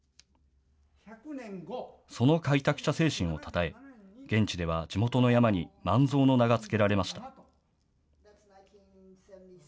その開拓者精神をたたえ、現地では地元の山にマンゾウの名がつけられました。